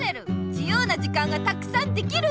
自由な時間がたくさんできる！